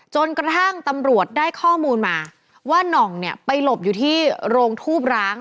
จนกระทั่งตำรวจได้ข้อมูลมาว่าน่องเนี่ยไปหลบอยู่ที่โรงทูบร้าง